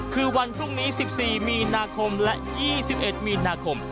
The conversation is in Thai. คือวันพรุ่งนี้๑๔มีนาคมและ๒๑มีนาคม